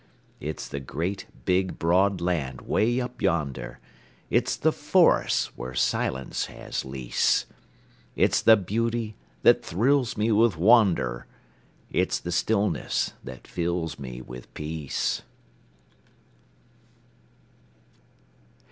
It's the great, big, broad land 'way up yonder, It's the forests where silence has lease; It's the beauty that thrills me with wonder, It's the stillness that fills me with peace.